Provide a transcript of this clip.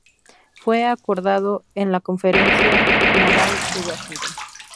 Fue acordado en la Conferencia Naval de Washington.